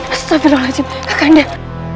astagfirullahaladzim rakyat santang